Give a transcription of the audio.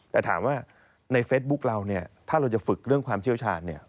แต่ถามว่าในเฟซบุ๊คเราเนี่ยถ้าเราจะฝึกเรื่องความเชี่ยวชาญ